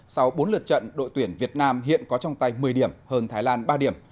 sau bốn lượt trận đội tuyển việt nam hiện có trong tay một mươi điểm hơn thái lan ba điểm